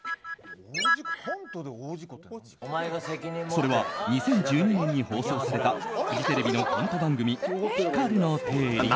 それは２０１２年に放送されたフジテレビにコント番組「ピカルの定理」。